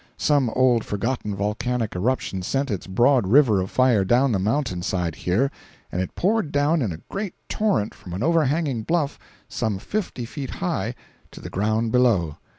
Some old forgotten volcanic eruption sent its broad river of fire down the mountain side here, and it poured down in a great torrent from an overhanging bluff some fifty feet high to the ground below.